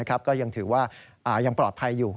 ก็ยังถือว่ายังปลอดภัยอยู่